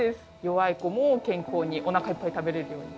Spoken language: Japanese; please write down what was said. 弱い子も健康におなかいっぱい食べれるように。